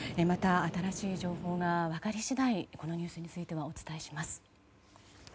また新しい情報が分かり次第このニュースについてはお伝えします。